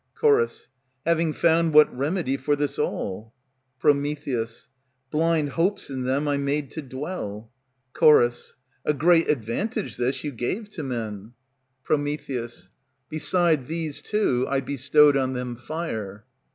Ch. Having found what remedy for this all? Pr. Blind hopes in them I made to dwell. Ch. A great advantage this you gave to men. Pr. Beside these, too, I bestowed on them fire.